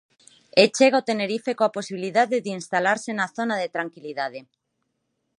E chega o Tenerife coa posibilidade de instalarse na zona de tranquilidade.